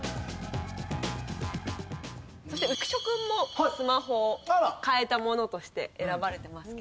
そして浮所君もスマホを変えたものとして選ばれてますけれども。